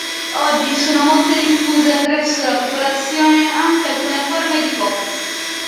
Oggi sono molto diffuse presso la popolazione anche alcune forme di hip hop.